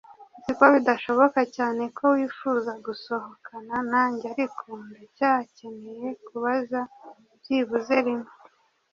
Nzi ko bidashoboka cyane ko wifuza gusohokana nanjye ariko ndacyakeneye kubaza byibuze rimwe